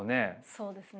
そうですね。